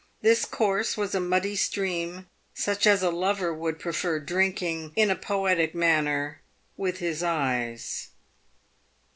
This course was a muddy stream, such as a lover would prefer drinking, in a poetic manner, with his eyes.